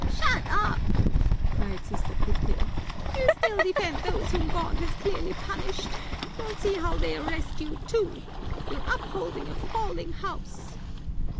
"Shut up!" cried Sister Puté. "You'll still defend those whom God has clearly punished. You'll see how they'll arrest you, too. You're upholding a falling house."